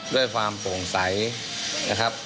ด้วยความโปร่งใสนะครับ